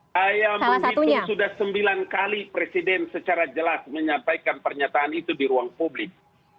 saya menghitung sudah sembilan kali presiden secara jelas menyampaikan pernyataan itu di ruang publik